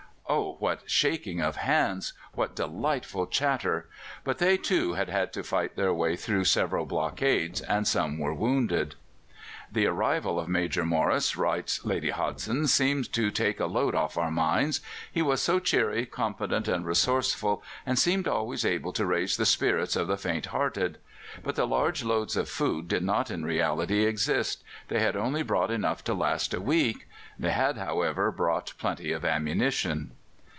Oh, what shaking of hands! what delightful chatter! But they, too, had had to fight their way through several stockades, and some were wounded. "The arrival of Major Morris," writes Lady Hodgson, "seemed to take a load off our minds. He was so cheery, confident, and resourceful, and seemed always able to raise the spirits of the faint hearted.... But the large loads of food did not in reality exist: they had only brought enough to last a week; they had, however, brought plenty of ammunition."